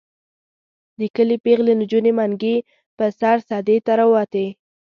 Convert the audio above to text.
د کلي پېغلې نجونې منګي په سر سدې ته راوتې.